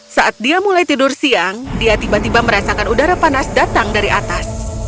saat dia mulai tidur siang dia tiba tiba merasakan udara panas datang dari atas